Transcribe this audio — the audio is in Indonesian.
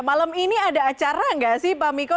malam ini ada acara nggak sih pak miko